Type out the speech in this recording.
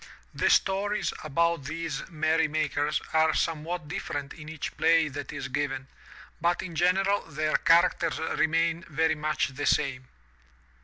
The stories about these merry makers are somewhat different in each play that is given, but in general their characters remain very much the same.